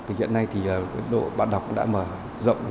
thì hiện nay thì độ bản đọc đã mở rộng